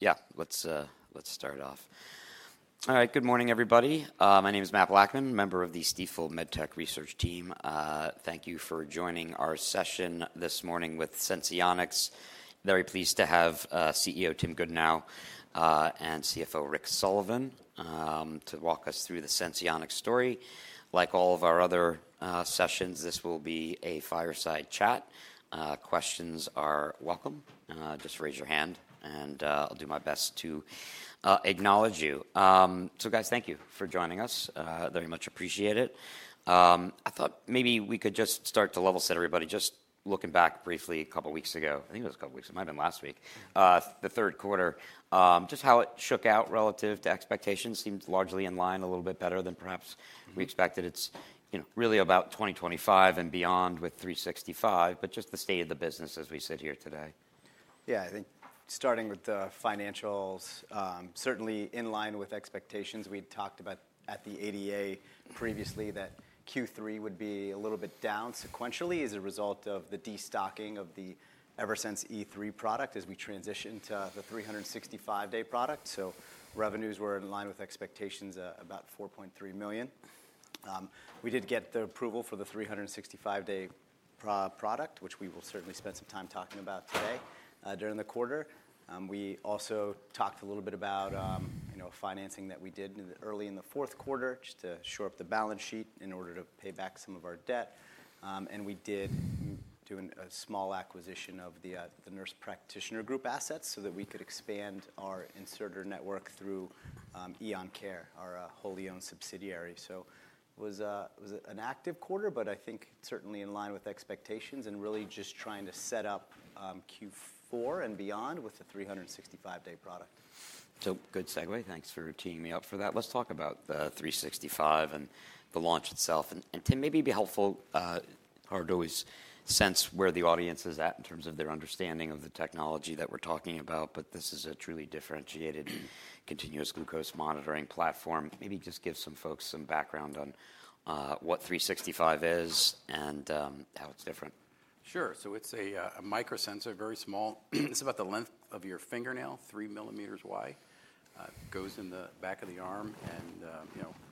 Yeah, let's start off. All right, good morning, everybody. My name is Matt Blackman, member of the Stifel MedTech Research team. Thank you for joining our session this morning with Senseonics. Very pleased to have CEO Tim Goodnow and CFO Rick Sullivan to walk us through the Senseonics story. Like all of our other sessions, this will be a fireside chat. Questions are welcome. Just raise your hand, and I'll do my best to acknowledge you. So, guys, thank you for joining us. I very much appreciate it. I thought maybe we could just start to level set, everybody. Just looking back briefly a couple of weeks ago, I think it was a couple of weeks, it might have been last week. The Q3, just how it shook out relative to expectations, seemed largely in line, a little bit better than perhaps we expected. It's really about 2025 and beyond with 365, but just the state of the business as we sit here today. Yeah, I think starting with the financials, certainly in line with expectations. We'd talked about at the ADA previously that Q3 would be a little bit down sequentially as a result of the destocking of the Eversense E3 product as we transitioned to the 365-day product. So revenues were in line with expectations, about $4.3 million. We did get the approval for the 365-day product, which we will certainly spend some time talking about today during the quarter. We also talked a little bit about financing that we did early in the Q4 just to shore up the balance sheet in order to pay back some of our debt. And we did do a small acquisition of the Nurse Practitioner Group assets so that we could expand our inserter network through Eoncare, our wholly owned subsidiary. So it was an active quarter, but I think certainly in line with expectations and really just trying to set up Q4 and beyond with the 365-day product. So good segue. Thanks for teeing me up for that. Let's talk about the 365 and the launch itself. And Tim, maybe it'd be helpful, hard to always sense where the audience is at in terms of their understanding of the technology that we're talking about, but this is a truly differentiated continuous glucose monitoring platform. Maybe just give some folks some background on what 365 is and how it's different. Sure. So it's a microsensor, very small. It's about the length of your fingernail, three millimeters wide. It goes in the back of the arm, and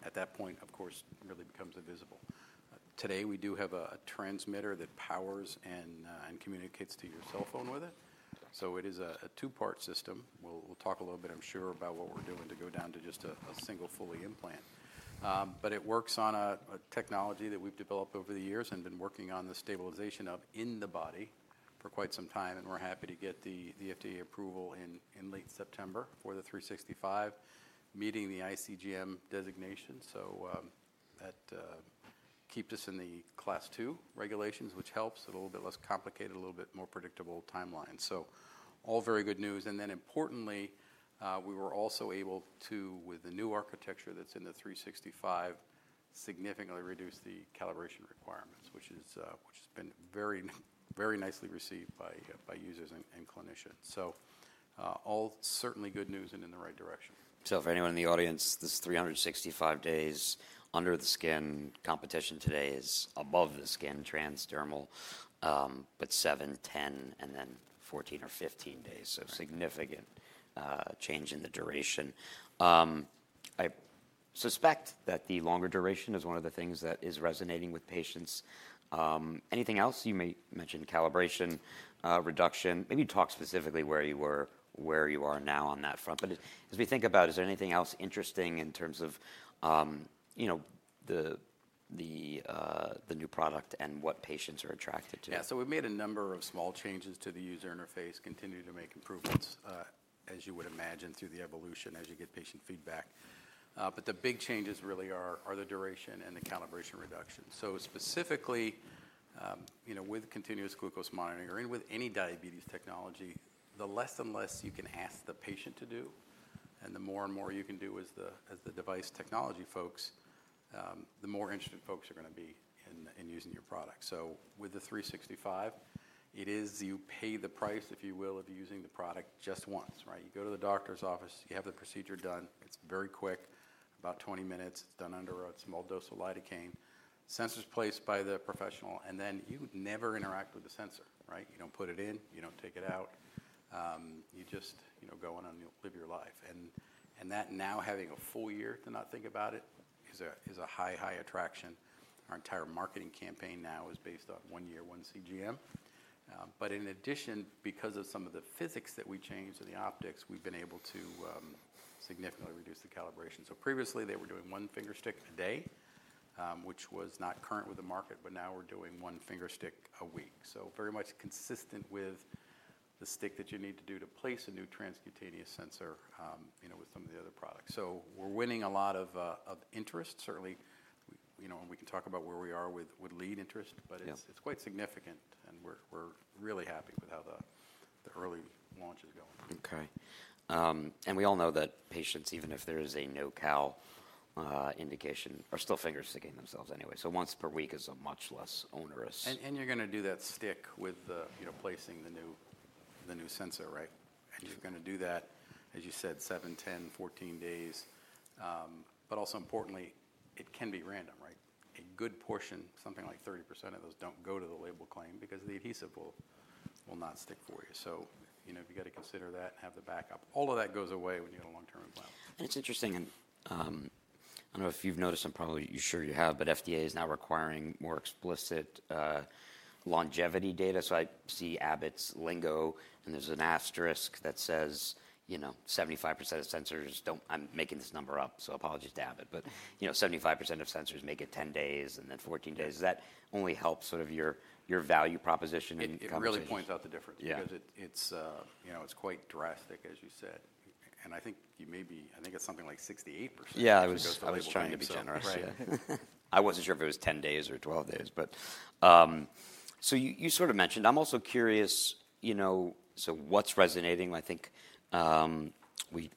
at that point, of course, really becomes invisible. Today, we do have a transmitter that powers and communicates to your cell phone with it. So it is a two-part system. We'll talk a little bit, I'm sure, about what we're doing to go down to just a single fully implant. But it works on a technology that we've developed over the years and been working on the stabilization of in the body for quite some time. And we're happy to get the FDA approval in late September for the 365, meeting the iCGM designation. So that keeps us in the class two regulations, which helps a little bit less complicated, a little bit more predictable timelines. So all very good news. And then, importantly, we were also able to, with the new architecture that's in the 365, significantly reduce the calibration requirements, which has been very, very nicely received by users and clinicians. So, all certainly good news and in the right direction. So, for anyone in the audience, this 365 days under the skin. Competition today is above the skin transdermal, but seven, 10, and then 14 or 15 days. So significant change in the duration. I suspect that the longer duration is one of the things that is resonating with patients. Anything else? You may mention calibration reduction. Maybe talk specifically where you were now on that front. But as we think about, is there anything else interesting in terms of the new product and what patients are attracted to? Yeah, so we've made a number of small changes to the user interface, continue to make improvements, as you would imagine, through the evolution as you get patient feedback. But the big changes really are the duration and the calibration reduction. So specifically, with continuous glucose monitoring or with any diabetes technology, the less and less you can ask the patient to do, and the more and more you can do as the device technology folks, the more interested folks are going to be in using your product. So with the 365, it is you pay the price, if you will, of using the product just once. You go to the doctor's office, you have the procedure done. It's very quick, about 20 minutes. It's done under a small dose of lidocaine. Sensors placed by the professional, and then you never interact with the sensor. You don't put it in, you don't take it out. You just go on and live your life. And that now having a full year to not think about it is a high, high attraction. Our entire marketing campaign now is based on one year, one CGM. But in addition, because of some of the physics that we changed in the optics, we've been able to significantly reduce the calibration. So previously, they were doing one fingerstick a day, which was not current with the market, but now we're doing one fingerstick a week. So very much consistent with the stick that you need to do to place a new transcutaneous sensor with some of the other products. So we're winning a lot of interest. Certainly, we can talk about where we are with lead interest, but it's quite significant, and we're really happy with how the early launch is going. Okay. And we all know that patients, even if there is a no-cal indication, are still fingersticking themselves anyway. So once per week is a much less onerous. You're going to do that stick with placing the new sensor, right? You're going to do that, as you said, seven, 10, 14 days. Also importantly, it can be random, right? A good portion, something like 30% of those don't go to the label claim because the adhesive will not stick for you. So you've got to consider that and have the backup. All of that goes away when you have a long-term implant. It's interesting, and I don't know if you've noticed, and probably you're sure you have, but FDA is now requiring more explicit longevity data. So I see Abbott's Lingo, and there's an asterisk that says 75% of sensors. I'm making this number up, so apologies to Abbott, but 75% of sensors make it 10 days and then 14 days. That only helps sort of your value proposition. It really points out the difference because it's quite drastic, as you said. I think it's something like 68%. Yeah, I was trying to be generous. I wasn't sure if it was 10 days or 12 days, but so you sort of mentioned. I'm also curious, so what's resonating? I think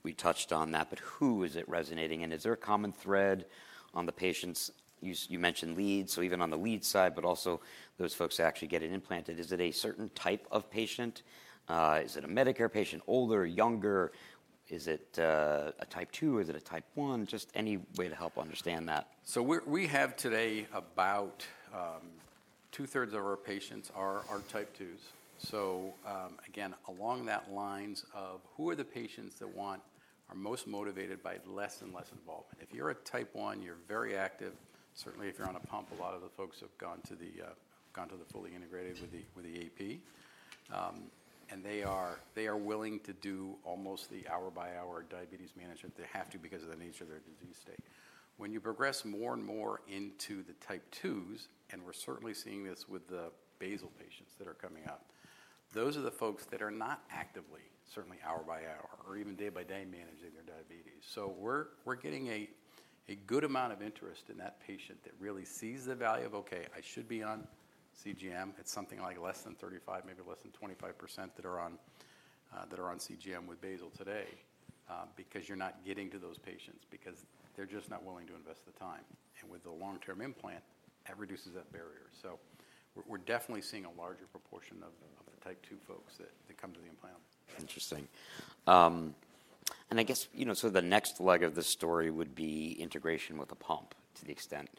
we touched on that, but who is it resonating? And is there a common thread on the patients? You mentioned lead, so even on the lead side, but also those folks that actually get it implanted. Is it a certain type of patient? Is it a Medicare patient, older, younger? Is it a type two? Is it a type one? Just any way to help understand that? We have today about two-thirds of our patients are Type 2s. So again, along those lines of who are the patients that want, are most motivated by less and less involvement. If you're a Type 1, you're very active. Certainly, if you're on a pump, a lot of the folks have gone to the fully integrated with the AP. And they are willing to do almost the hour-by-hour diabetes management. They have to because of the nature of their disease state. When you progress more and more into the Type 2s, and we're certainly seeing this with the basal patients that are coming up, those are the folks that are not actively, certainly hour-by-hour or even day-by-day managing their diabetes. So we're getting a good amount of interest in that patient that really sees the value of, okay, I should be on CGM. It's something like less than 35%, maybe less than 25% that are on CGM with basal today because you're not getting to those patients because they're just not willing to invest the time. And with the long-term implant, that reduces that barrier. So we're definitely seeing a larger proportion of the type two folks that come to the implant. Interesting. And I guess so the next leg of this story would be integration with a pump to the extent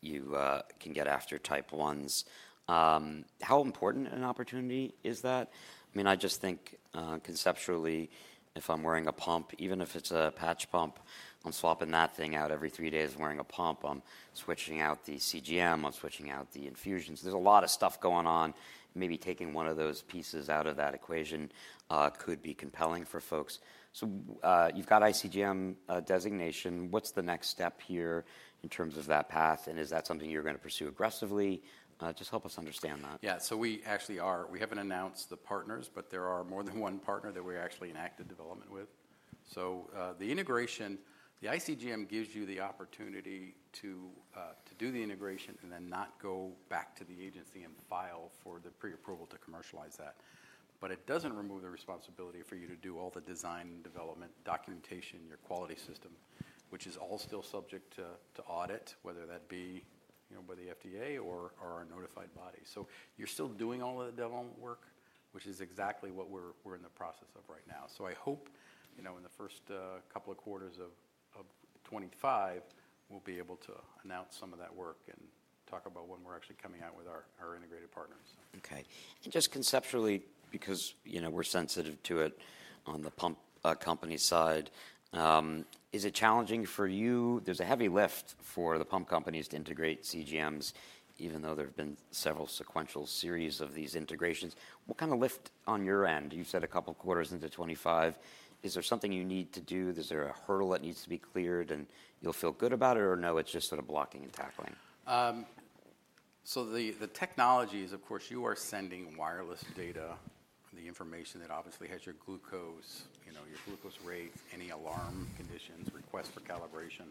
you can get after type ones. How important an opportunity is that? I mean, I just think conceptually, if I'm wearing a pump, even if it's a patch pump, I'm swapping that thing out every three days wearing a pump. I'm switching out the CGM. I'm switching out the infusions. There's a lot of stuff going on. Maybe taking one of those pieces out of that equation could be compelling for folks. So you've got ICGM designation. What's the next step here in terms of that path? And is that something you're going to pursue aggressively? Just help us understand that. Yeah, so we actually are, we haven't announced the partners, but there are more than one partner that we're actually in active development with, so the integration, the iCGM gives you the opportunity to do the integration and then not go back to the agency and file for the pre-approval to commercialize that, but it doesn't remove the responsibility for you to do all the design and development documentation, your quality system, which is all still subject to audit, whether that be by the FDA or our notified body, so you're still doing all of the development work, which is exactly what we're in the process of right now, so I hope in the first couple of quarters of 2025, we'll be able to announce some of that work and talk about when we're actually coming out with our integrated partners. Okay. And just conceptually, because we're sensitive to it on the pump company side, is it challenging for you? There's a heavy lift for the pump companies to integrate CGMs, even though there have been several sequential series of these integrations. What kind of lift on your end? You said a couple of quarters into '25. Is there something you need to do? Is there a hurdle that needs to be cleared and you'll feel good about it or no, it's just sort of blocking and tackling? So the technologies, of course. You are sending wireless data, the information that obviously has your glucose, your glucose rates, any alarm conditions, request for calibration.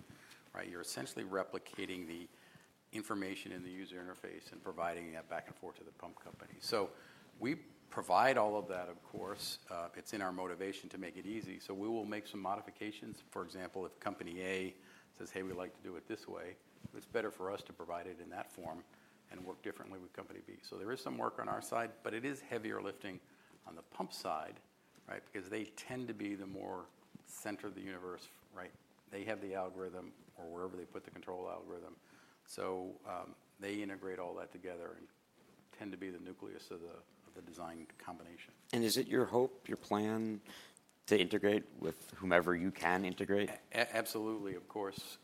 You're essentially replicating the information in the user interface and providing that back and forth to the pump company. So we provide all of that, of course. It's in our motivation to make it easy. So we will make some modifications. For example, if company A says, "Hey, we'd like to do it this way," it's better for us to provide it in that form and work differently with company B. So there is some work on our side, but it is heavy lifting on the pump side because they tend to be more the center of the universe. They have the algorithm or wherever they put the control algorithm. So they integrate all that together and tend to be the nucleus of the design combination. Is it your hope, your plan to integrate with whomever you can integrate? Absolutely, of course.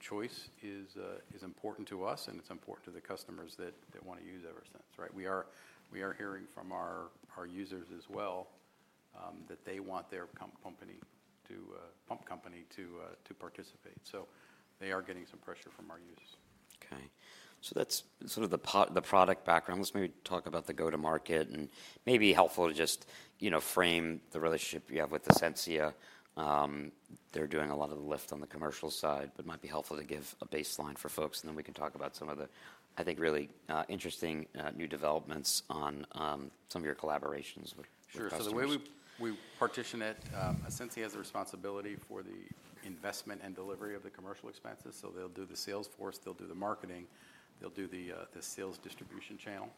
Choice is important to us and it's important to the customers that want to use Eversense. We are hearing from our users as well that they want their pump company to participate. So they are getting some pressure from our users. Okay. So that's sort of the product background. Let's maybe talk about the go-to-market and maybe helpful to just frame the relationship you have with Ascensia. They're doing a lot of the lift on the commercial side, but it might be helpful to give a baseline for folks. And then we can talk about some of the, I think, really interesting new developments on some of your collaborations. Sure. The way we partition it, Ascensia has the responsibility for the investment and delivery of the commercial expenses. So they'll do the sales force. They'll do the marketing. They'll do the sales distribution channel.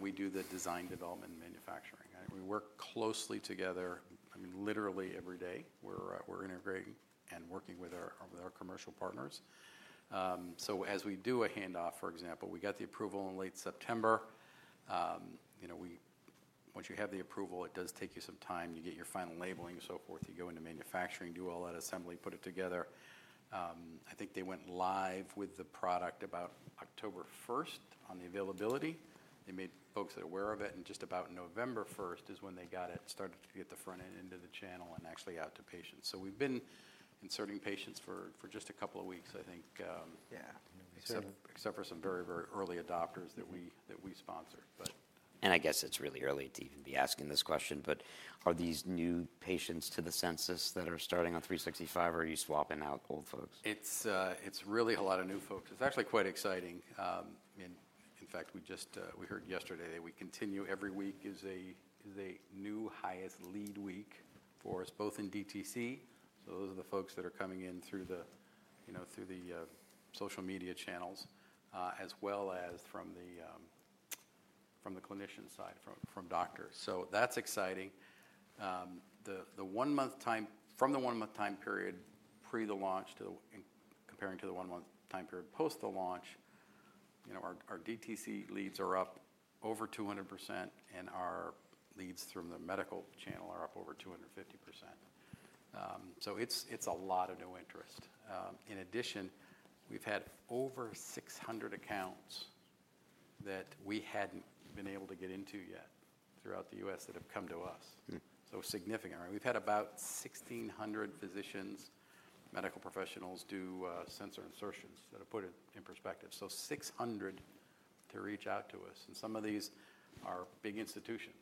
We do the design, development, and manufacturing. We work closely together. I mean, literally every day. We're integrating and working with our commercial partners. As we do a handoff, for example, we got the approval in late September. Once you have the approval, it does take you some time. You get your final labeling, and so forth. You go into manufacturing, do all that assembly, put it together. I think they went live with the product about October 1st on the availability. They made folks aware of it. Just about November 1st is when they got it, started to get the front end into the channel and actually out to patients. We've been inserting patients for just a couple of weeks, I think, except for some very, very early adopters that we sponsor. I guess it's really early to even be asking this question, but are these new patients to the census that are starting on 365 or are you swapping out old folks? It's really a lot of new folks. It's actually quite exciting. In fact, we heard yesterday that we continue every week is a new highest lead week for us, both in DTC. So those are the folks that are coming in through the social media channels, as well as from the clinician side, from doctors. So that's exciting. From the one-month time period pre the launch to comparing to the one-month time period post the launch, our DTC leads are up over 200% and our leads from the medical channel are up over 250%. So it's a lot of new interest. In addition, we've had over 600 accounts that we hadn't been able to get into yet throughout the U.S. that have come to us. So significant. We've had about 1,600 physicians, medical professionals do sensor insertions that have put it in perspective. So 600 to reach out to us. Some of these are big institutions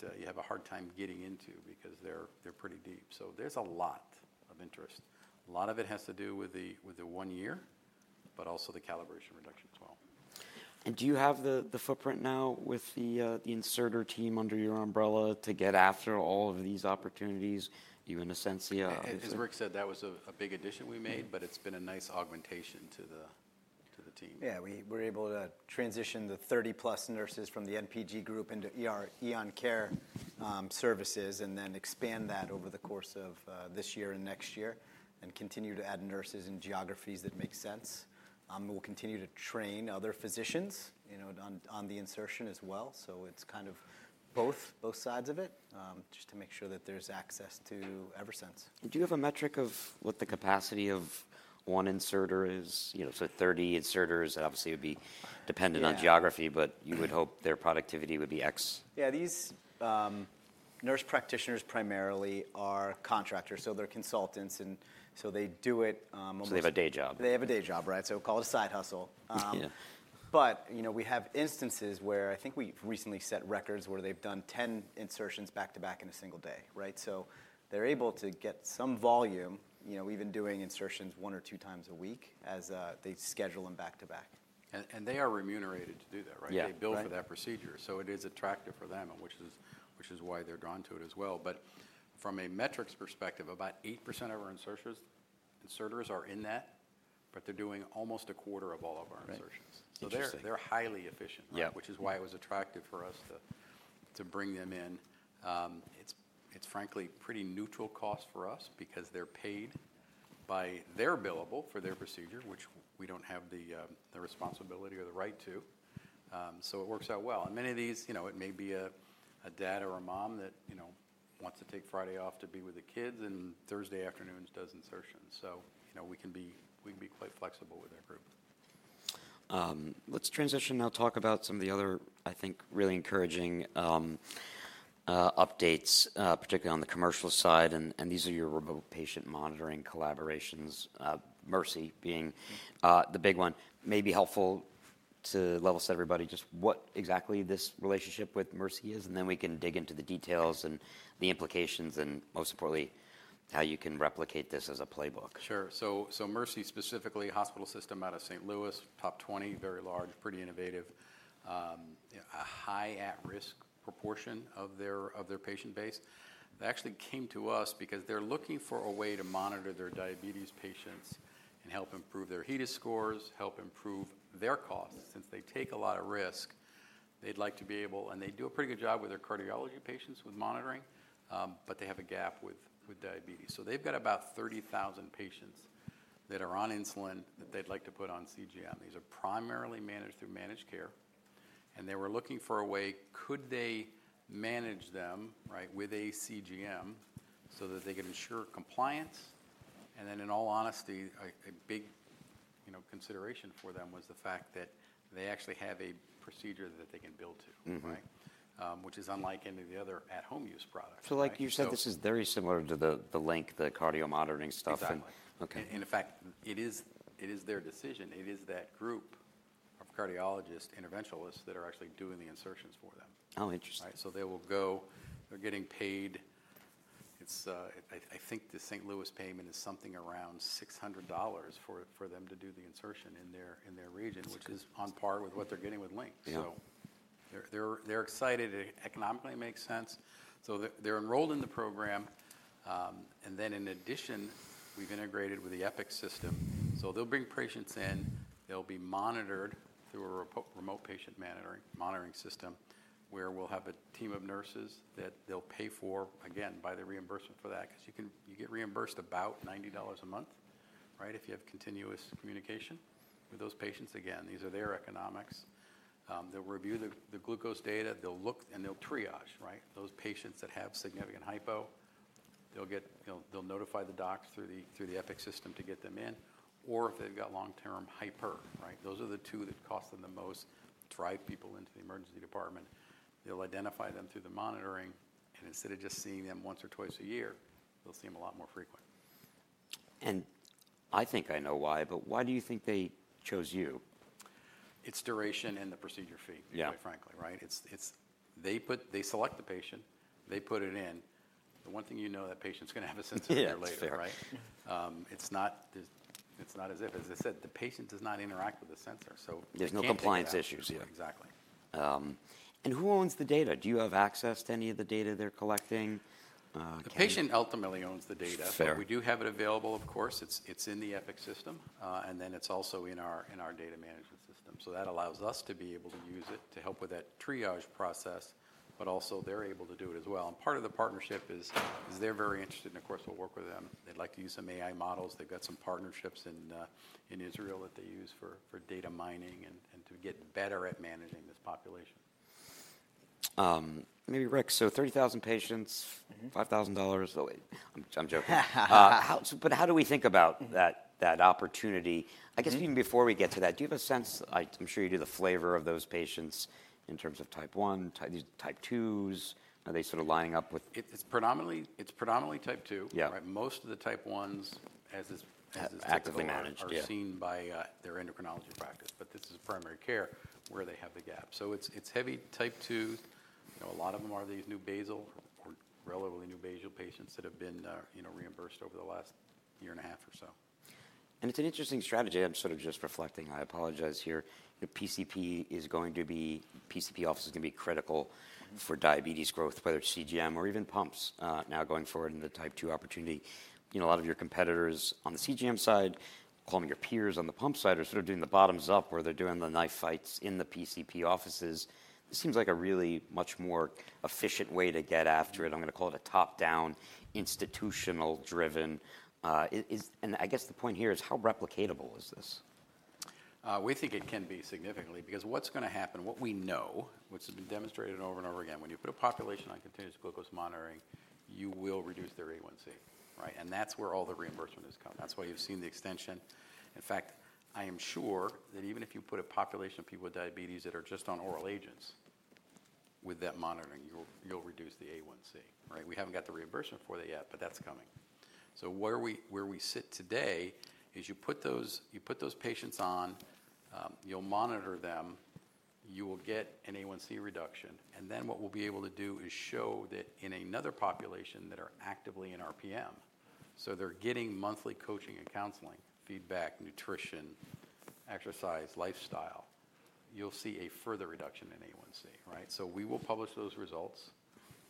that you have a hard time getting into because they're pretty deep. There's a lot of interest. A lot of it has to do with the one year, but also the calibration reduction as well. Do you have the footprint now with the inserter team under your umbrella to get after all of these opportunities, even Ascensia? As Rick said, that was a big addition we made, but it's been a nice augmentation to the team. Yeah, we were able to transition the 30-plus nurses from the NPG group into Eoncare services and then expand that over the course of this year and next year and continue to add nurses in geographies that make sense. We'll continue to train other physicians on the insertion as well. So it's kind of both sides of it just to make sure that there's access to Eversense. Do you have a metric of what the capacity of one inserter is? So 30 inserters, obviously, would be dependent on geography, but you would hope their productivity would be X? Yeah, these nurse practitioners primarily are contractors. So they're consultants, and so they do it. So they have a day job. They have a day job, right? So call it a side hustle. But we have instances where I think we've recently set records where they've done 10 insertions back to back in a single day. So they're able to get some volume, even doing insertions one or two times a week as they schedule them back to back. And they are remunerated to do that, right? They bill for that procedure. So it is attractive for them, which is why they're drawn to it as well. But from a metrics perspective, about 8% of our inserters are in that, but they're doing almost a quarter of all of our insertions. So they're highly efficient, which is why it was attractive for us to bring them in. It's, frankly, pretty neutral cost for us because they're paid by their billable for their procedure, which we don't have the responsibility or the right to, so it works out well, and many of these, it may be a dad or a mom that wants to take Friday off to be with the kids and Thursday afternoons does insertions, so we can be quite flexible with that group. Let's transition now, talk about some of the other, I think, really encouraging updates, particularly on the commercial side. And these are your remote patient monitoring collaborations. Mercy being the big one, may be helpful to level set everybody just what exactly this relationship with Mercy is, and then we can dig into the details and the implications and, most importantly, how you can replicate this as a playbook. Sure. So Mercy specifically, a hospital system out of St. Louis, top 20, very large, pretty innovative, a high at-risk proportion of their patient base. They actually came to us because they're looking for a way to monitor their diabetes patients and help improve their HEDIS scores, help improve their costs since they take a lot of risk. They'd like to be able, and they do a pretty good job with their cardiology patients with monitoring, but they have a gap with diabetes. So they've got about 30,000 patients that are on insulin that they'd like to put on CGM. These are primarily managed through managed care. And they were looking for a way, could they manage them with a CGM so that they could ensure compliance? In all honesty, a big consideration for them was the fact that they actually have a procedure that they can build to, which is unlike any of the other at-home use products. Like you said, this is very similar to the LINQ, the cardio monitoring stuff. Exactly, and in fact, it is their decision. It is that group of cardiologists, interventionalists that are actually doing the insertions for them. Oh, interesting. They will go. They're getting paid. I think the St. Louis payment is something around $600 for them to do the insertion in their region, which is on par with what they're getting with LINQ. They're excited. It economically makes sense. They're enrolled in the program. In addition, we've integrated with the Epic system. They'll bring patients in. They'll be monitored through a remote patient monitoring system where we'll have a team of nurses that they'll pay for, again, by the reimbursement for that because you get reimbursed about $90 a month if you have continuous communication with those patients. Again, these are their economics. They'll review the glucose data. They'll look and they'll triage those patients that have significant hypo. They'll notify the docs through the Epic system to get them in. Or if they've got long-term hyper, those are the two that cost them the most, drive people into the emergency department. They'll identify them through the monitoring and instead of just seeing them once or twice a year, they'll see them a lot more frequent. I think I know why, but why do you think they chose you? It's duration and the procedure fee, quite frankly. They select the patient, they put it in. The one thing you know, that patient's going to have a sensor there later. It's not as if, as I said, the patient does not interact with the sensor. There's no compliance issues. Exactly. Who owns the data? Do you have access to any of the data they're collecting? The patient ultimately owns the data. We do have it available, of course. It's in the Epic system, and then it's also in our data management system. That allows us to be able to use it to help with that triage process, but also they're able to do it as well. Part of the partnership is they're very interested in, of course. We'll work with them. They'd like to use some AI models. They've got some partnerships in Israel that they use for data mining and to get better at managing this population. Maybe Rick, so 30,000 patients, $5,000. I'm joking. But how do we think about that opportunity? I guess even before we get to that, do you have a sense? I'm sure you do the flavor of those patients in terms of type 1, type 2s. Are they sort of lining up with? It's predominantly Type 2. Most of the Type 1s, as is typically seen by their endocrinology practice, but this is primary care where they have the gap, so it's heavy Type 2s. A lot of them are these new Basal or relatively new Basal patients that have been reimbursed over the last year and a half or so. It's an interesting strategy. I'm sort of just reflecting. I apologize here. PCP is going to be, PCP office is going to be critical for diabetes growth, whether it's CGM or even pumps now going forward in the type 2 opportunity. A lot of your competitors on the CGM side, call them your peers on the pump side, are sort of doing the bottoms up where they're doing the knife fights in the PCP offices. It seems like a really much more efficient way to get after it. I'm going to call it a top-down institutional driven. I guess the point here is how replicatable is this? We think it can be significantly because what's going to happen, what we know, which has been demonstrated over and over again, when you put a population on continuous glucose monitoring, you will reduce their A1C. And that's where all the reimbursement has come. That's why you've seen the extension. In fact, I am sure that even if you put a population of people with diabetes that are just on oral agents with that monitoring, you'll reduce the A1C. We haven't got the reimbursement for that yet, but that's coming. So where we sit today is you put those patients on, you'll monitor them, you will get an A1C reduction. And then what we'll be able to do is show that in another population that are actively in RPM, so they're getting monthly coaching and counseling, feedback, nutrition, exercise, lifestyle, you'll see a further reduction in A1C. We will publish those results.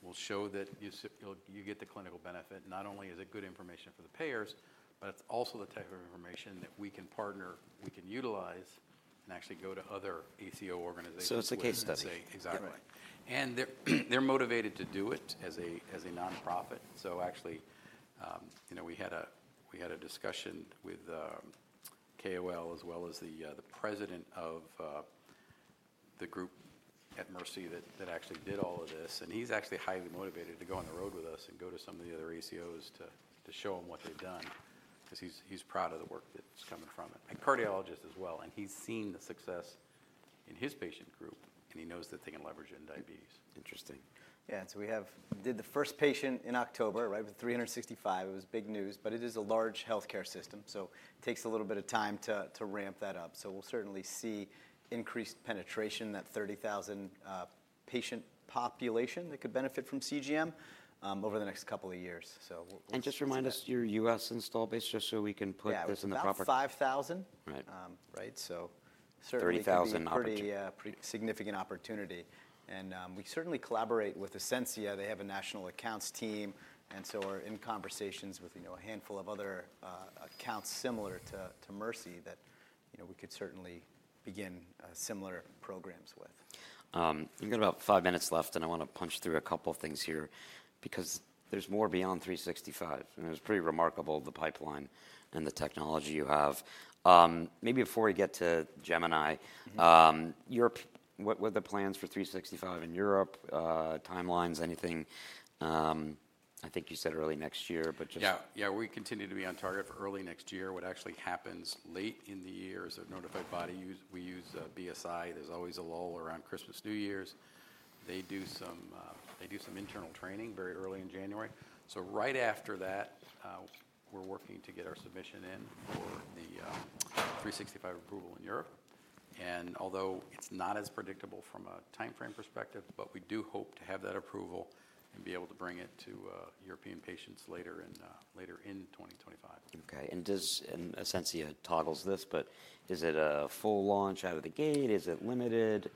We'll show that you get the clinical benefit. Not only is it good information for the payers, but it's also the type of information that we can partner, we can utilize and actually go to other ACO organizations. It's a case study. Exactly, and they're motivated to do it as a nonprofit, so actually, we had a discussion with KOL as well as the president of the group at Mercy that actually did all of this, and he's actually highly motivated to go on the road with us and go to some of the other ACOs to show them what they've done because he's proud of the work that's coming from it. Cardiologists as well, and he's seen the success in his patient group and he knows that they can leverage it in diabetes. Interesting. Yeah. So we did the first patient in October with 365. It was big news, but it is a large healthcare system. So it takes a little bit of time to ramp that up. So we'll certainly see increased penetration, that 30,000 patient population that could benefit from CGM over the next couple of years. Just remind us of your U.S. installed base just so we can put this in the proper context. Yeah, about 5,000. So certainly a pretty significant opportunity. And we certainly collaborate with Ascensia. They have a national accounts team. And so we're in conversations with a handful of other accounts similar to Mercy that we could certainly begin similar programs with. We've got about five minutes left and I want to punch through a couple of things here because there's more beyond 365. And it was pretty remarkable the pipeline and the technology you have. Maybe before we get to Gemini, what are the plans for 365 in Europe? Timelines, anything? I think you said early next year, but just. Yeah, yeah. We continue to be on target for early next year. What actually happens late in the year is a notified body. We use BSI. There's always a lull around Christmas, New Year's. They do some internal training very early in January. So right after that, we're working to get our submission in for the 365 approval in Europe. And although it's not as predictable from a timeframe perspective, but we do hope to have that approval and be able to bring it to European patients later in 2025. Okay. And Ascensia touts this, but is it a full launch out of the gate? Is it limited?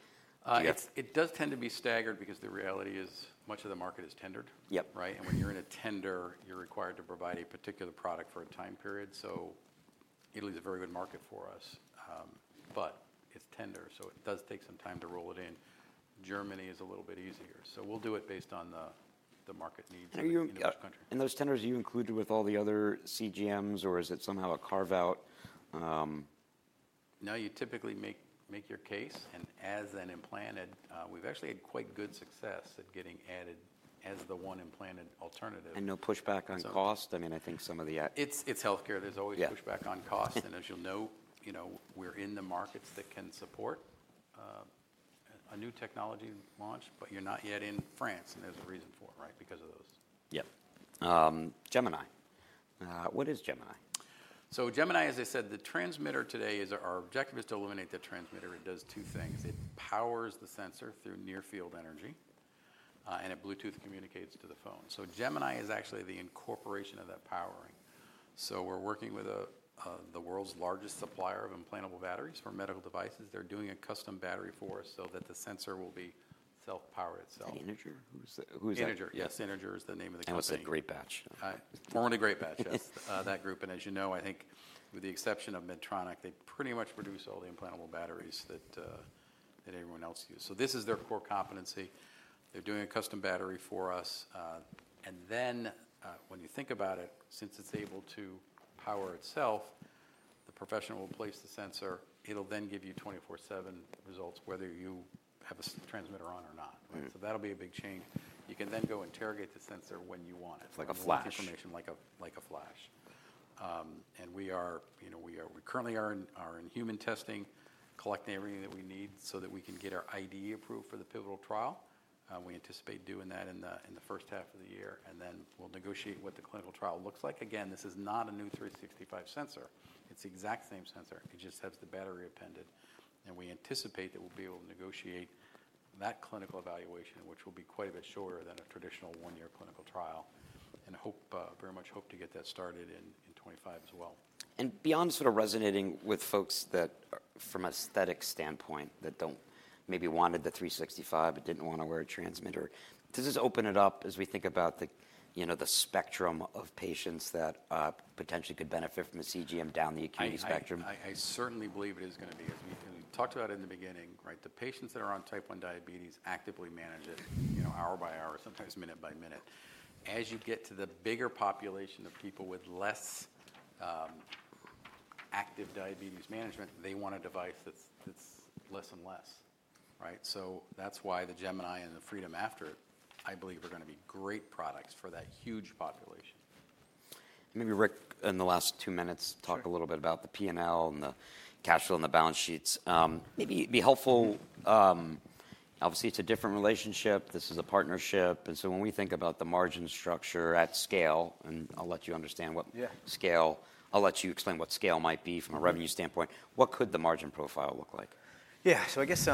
It does tend to be staggered because the reality is much of the market is tendered, and when you're in a tender, you're required to provide a particular product for a time period, so Italy is a very good market for us, but it's tender, so it does take some time to roll it in. Germany is a little bit easier, so we'll do it based on the market needs in each country. Those tenders, are you included with all the other CGMs or is it somehow a carve-out? No, you typically make your case, and as an implanted, we've actually had quite good success at getting added as the one implanted alternative. And no pushback on cost? I mean, I think some of the. It's healthcare. There's always pushback on cost. And as you'll know, we're in the markets that can support a new technology launch, but you're not yet in France. And there's a reason for it because of those. Yeah. Gemini. What is Gemini? So Gemini, as I said, the transmitter today is our objective to eliminate the transmitter. It does two things. It powers the sensor through Near-Field Energy and it Bluetooth communicates to the phone. So Gemini is actually the incorporation of that powering. So we're working with the world's largest supplier of implantable batteries for medical devices. They're doing a custom battery for us so that the sensor will self-power itself. Integer? Who is that? Integer. Yes, Integer is the name of the company. That was Greatbatch. Formerly Greatbatch, yes. That group, and as you know, I think with the exception of Medtronic, they pretty much produce all the implantable batteries that everyone else uses, so this is their core competency. They're doing a custom battery for us, and then when you think about it, since it's able to power itself, the professional will place the sensor. It'll then give you 24/7 results whether you have a transmitter on or not, so that'll be a big change. You can then go interrogate the sensor when you want it. It's like a flash. Information like a flash. We are currently in human testing, collecting everything that we need so that we can get our IDE approved for the pivotal trial. We anticipate doing that in the first half of the year, and then we'll negotiate what the clinical trial looks like. Again, this is not a new 365 sensor. It's the exact same sensor. It just has the battery appended. We anticipate that we'll be able to negotiate that clinical evaluation, which will be quite a bit shorter than a traditional one-year clinical trial, and very much hope to get that started in 2025 as well. Beyond sort of resonating with folks that from aesthetic standpoint maybe wanted the 365 but didn't want to wear a transmitter, does this open it up as we think about the spectrum of patients that potentially could benefit from a CGM down the acuity spectrum? I certainly believe it is going to be. As we talked about in the beginning, the patients that are on type 1 diabetes actively manage it hour by hour, sometimes minute by minute. As you get to the bigger population of people with less active diabetes management, they want a device that's less and less. So that's why the Gemini and the Freedom after it, I believe, are going to be great products for that huge population. Maybe Rick, in the last two minutes, talk a little bit about the P&L and the cash flow and the balance sheets. Maybe it'd be helpful. Obviously, it's a different relationship. This is a partnership. And so when we think about the margin structure at scale, and I'll let you understand what scale, I'll let you explain what scale might be from a revenue standpoint, what could the margin profile look like? Yeah. So I guess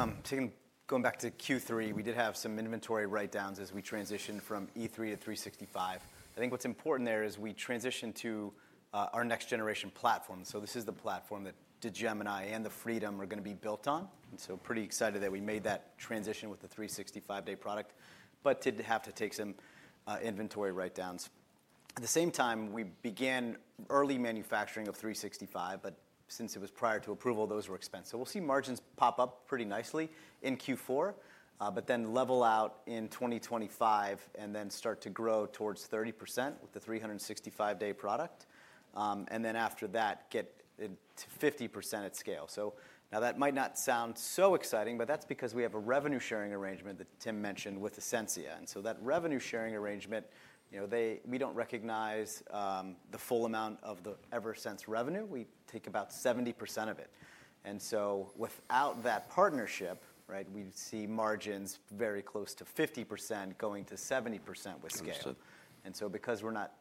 going back to Q3, we did have some inventory write-downs as we transitioned from E3 to 365. I think what's important there is we transitioned to our next generation platform. So this is the platform that the Gemini and the Freedom are going to be built on. And so pretty excited that we made that transition with the 365-day product, but did have to take some inventory write-downs. At the same time, we began early manufacturing of 365, but since it was prior to approval, those were expensive. We'll see margins pop up pretty nicely in Q4, but then level out in 2025 and then start to grow towards 30% with the 365-day product. And then after that, get to 50% at scale. So now that might not sound so exciting, but that's because we have a revenue sharing arrangement that Tim mentioned with Ascensia. And so that revenue sharing arrangement, we don't recognize the full amount of the Eversense revenue. We take about 70% of it. And so without that partnership, we see margins very close to 50%-70% with scale. And so because we're not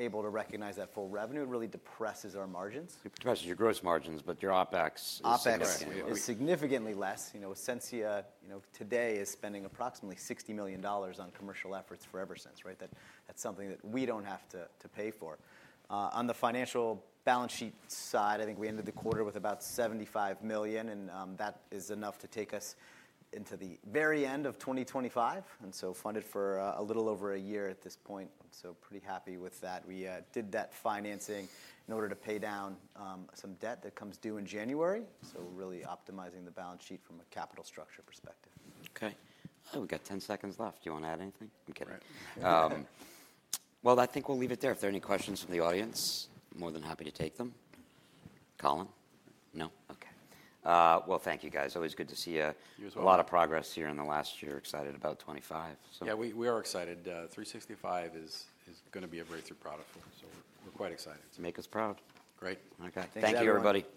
able to recognize that full revenue, it really depresses our margins. It depresses your gross margins, but your OPEX is significantly less. OPEX is significantly less. Ascensia today is spending approximately $60 million on commercial efforts for Eversense. That's something that we don't have to pay for. On the financial balance sheet side, I think we ended the quarter with about $75 million. And that is enough to take us into the very end of 2025. And so funded for a little over a year at this point. So pretty happy with that. We did that financing in order to pay down some debt that comes due in January. So really optimizing the balance sheet from a capital structure perspective. Okay. We've got 10 seconds left. Do you want to add anything? I'm kidding. Well, I think we'll leave it there. If there are any questions from the audience, more than happy to take them. Colin? No? Okay. Well, thank you, guys. Always good to see a lot of progress here in the last year. Excited about 2025. Yeah, we are excited. 365 is going to be a breakthrough product for us. So we're quite excited. It makes us proud. Great. Thank you everybody.